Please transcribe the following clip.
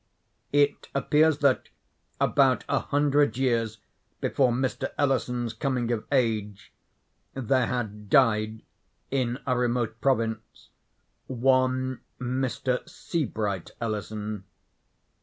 It appears that about a hundred years before Mr. Ellison's coming of age, there had died, in a remote province, one Mr. Seabright Ellison.